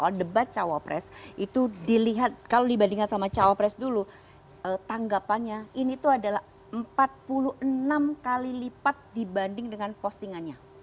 kalau debat cawapres itu dilihat kalau dibandingkan sama cawapres dulu tanggapannya ini tuh adalah empat puluh enam kali lipat dibanding dengan postingannya